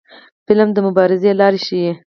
فلم د مبارزې لارې ښيي